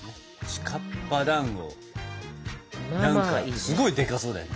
ちかっぱだんご何かすごいでかそうだよね。